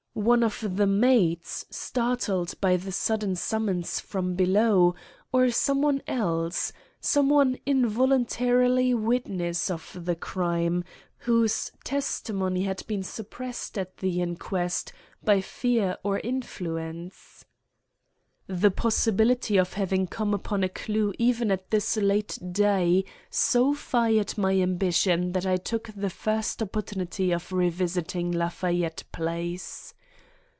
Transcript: One of the maids, startled by the sudden summons from below, or some one else—some involuntary witness of the crime, whose testimony had been suppressed at the inquest, by fear or influence? The possibility of having come upon a clue even at this late day, so fired my ambition, that I took the first opportunity of revisiting Lafayette Place.